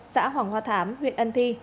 xã hoàng hoa thám huyện ân thi